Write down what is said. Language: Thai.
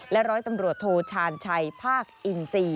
ร้อยตำรวจโทชาญชัยภาคอินซี